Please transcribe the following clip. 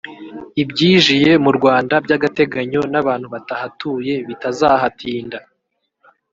ibyijiye mu Rwanda by’agateganyo n’abantu batahatuye bitazahatinda